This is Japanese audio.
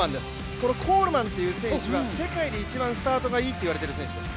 このコールマンという選手は世界で一番スタートがいいと言われている選手です。